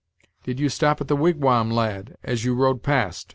"Did you stop at the wigwam, lad, as you rowed past?"